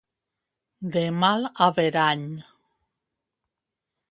De mal averany.